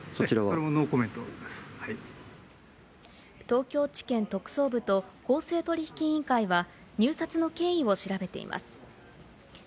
東京地検特捜部と公正取引委員会は入札の経緯を調べています。